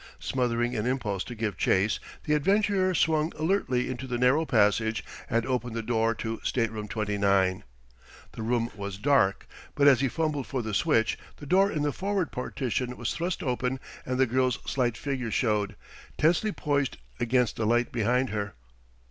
Smothering an impulse to give chase, the adventurer swung alertly into the narrow passage and opened the door to Stateroom 29. The room was dark, but as he fumbled for the switch, the door in the forward partition was thrust open and the girl's slight figure showed, tensely poised against the light behind her.